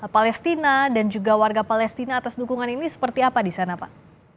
palestina dan juga warga palestina atas dukungan ini seperti apa di sana pak